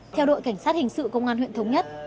theo đội cảnh sát hình sự công an huyện thống nhất